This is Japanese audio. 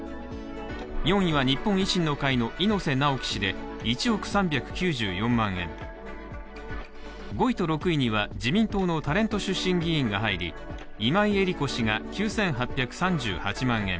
４位は日本維新の会の猪瀬直樹氏で１億３９４万円、５位と６位には自民党のタレント出身議員が入り今井絵理子氏が９８３８万円